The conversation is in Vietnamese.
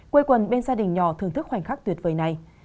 quây quần bên gia đình nhỏ thưởng thức khoảnh khắc tuyệt vời này